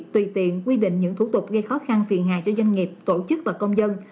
tùy tiện quy định những thủ tục gây khó khăn phiền hà cho doanh nghiệp tổ chức và công dân